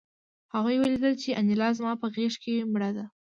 هغوی ولیدل چې انیلا زما په غېږ کې مړه ده